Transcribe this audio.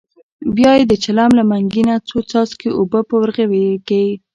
بیا یې د چلم له منګي نه څو څاڅکي اوبه په ورغوي کې.